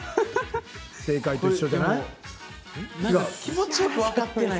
正解と一緒じゃない？